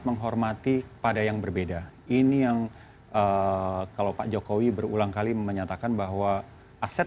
menghormati pada yang berbeda ini yang kalau pak jokowi berulang kali menyatakan bahwa aset